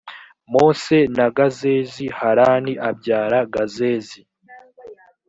mosa na gazezi harani abyara gazezi